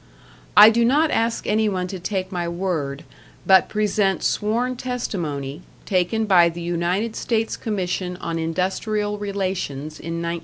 I do not ask anyone to take my word, but present sworn testimony, taken by the United States Commission on Industrial Relations in 1914.